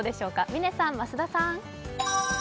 嶺さん、増田さん。